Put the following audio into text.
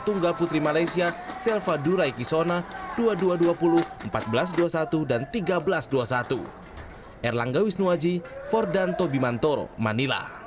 tunggal putri malaysia selva duraikisona dua puluh dua dua puluh empat belas dua puluh satu dan tiga belas dua puluh satu